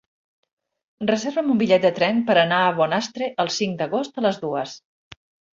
Reserva'm un bitllet de tren per anar a Bonastre el cinc d'agost a les dues.